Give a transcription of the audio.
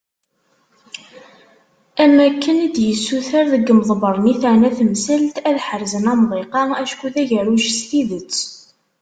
Am wakken i d-yessuter deg yimḍebbren i teεna temsalt, ad ḥerzen amḍiq-a, acku d agerruj s tidet.